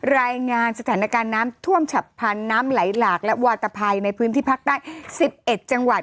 รายงานสถานการณ์น้ำท่วมฉับพันธุ์น้ำไหลหลากและวาตภัยในพื้นที่ภาคใต้๑๑จังหวัด